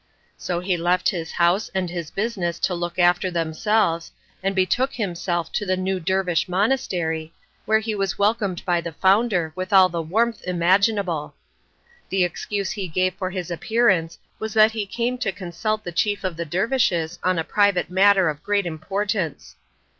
So he left his house and his business to look after themselves, and betook himself to the new dervish monastery, where he was welcomed by the founder with all the warmth imaginable. The excuse he gave for his appearance was that he had come to consult the chief of the dervishes on a private matter of great importance.